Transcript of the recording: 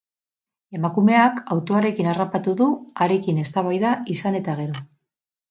Emakumeak autoarekin harrapatu du, harekin eztabaida izan eta gero.